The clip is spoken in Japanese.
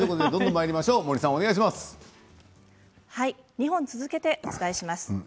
２本続けてお伝えします。